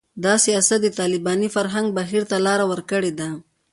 دا سیاست د طالباني فرهنګي بهیر ته لاره ورکړې ده